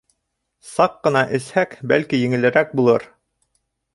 Саҡ ҡына эсһәк, бәлки... еңелерәк булыр.